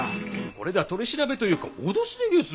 これでは取り調べというか脅しでげす。